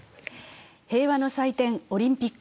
平和の祭典、オリンピック。